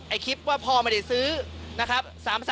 ไอ้คลิปว่าพอมาได้ซื้อนะครับ